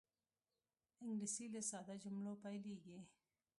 انګلیسي له ساده جملو پیلېږي